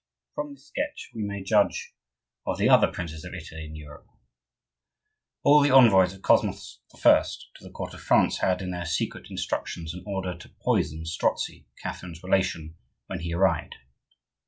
From this sketch, we may judge of the other princes of Italy and Europe. All the envoys of Cosmos I. to the court of France had, in their secret instructions, an order to poison Strozzi, Catherine's relation, when he arrived.